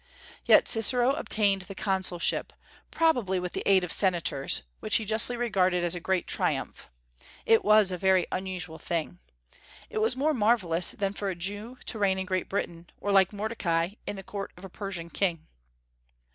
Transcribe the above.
Yet Cicero obtained the consulship, probably with the aid of senators, which he justly regarded as a great triumph. It was a very unusual thing. It was more marvellous than for a Jew to reign in Great Britain, or, like Mordecai, in the court of a Persian king.